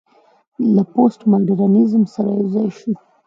له پوسټ ماډرنيزم سره يوځاى شو